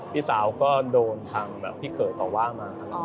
พี่สาวก็โดนทางแบบพี่เขยต่อว่ามา